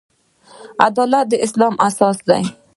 عدالت د اسلام اساس دی